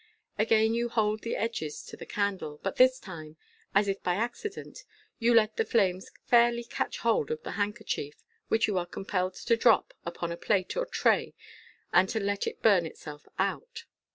Again, you hold the edges to the candle, but this time, as if by accident, you let the flames fairly catch hold of the handkerchief, which you are compelled to drop upon a plate or tray, and to let it burn itself out.